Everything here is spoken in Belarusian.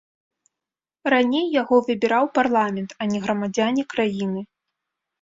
Раней яго выбіраў парламент, а не грамадзяне краіны.